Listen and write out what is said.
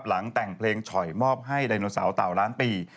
หลังแต่งเพลงฉ่อยมอบให้ไดโนเสาร์เต่าล้านปี